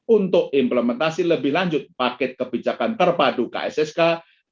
untuk implementasi lebih lanjut paket kebijakan terpadu rendered